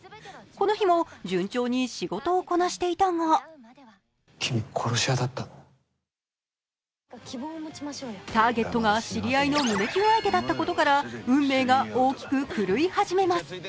この日も順調に仕事をこなしていたがターゲットが知り合いの胸キュン相手だったことから運命が大きく狂い始めます。